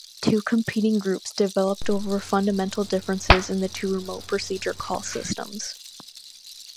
Two competing groups developed over fundamental differences in the two remote procedure call systems.